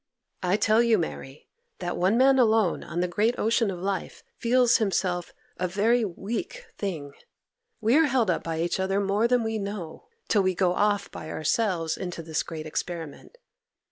I tell you, Mary, that one man alone on the great ocean of life feels himself a very weak thing: we are held up by each other more than we know, till we go off by ourselves into this great experiment.